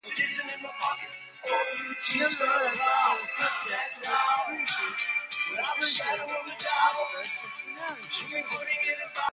Nevertheless, they were subject to the caprices of princes and outbursts of fanaticism.